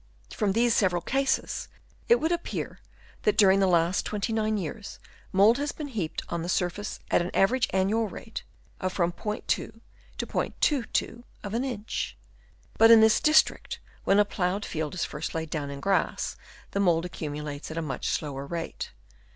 From these several cases, it would appear that during the last 29 years mould has been heaped on the surface at an average annual rate of from *2 to '22 of an inch. But in this district when a ploughed field is first laid down in grass, the mould accumulates at a much slower rate.